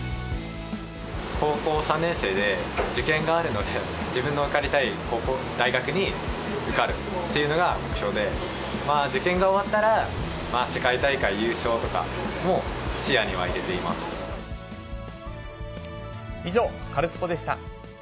高校３年生で受験があるので、自分の受かりたい大学に受かるっていうのが目標で、受験が終わったら、まあ世界大会優勝とかも、以上、カルスポっ！でした。